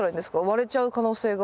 割れちゃう可能性が。